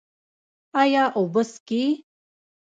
ایا اوبه څښئ؟